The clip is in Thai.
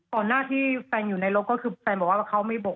หน้าที่แฟนอยู่ในรถก็คือแฟนบอกว่าเขาไม่บก